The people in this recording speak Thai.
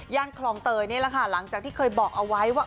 คลองเตยนี่แหละค่ะหลังจากที่เคยบอกเอาไว้ว่า